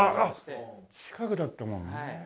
あっ近くだったもんね。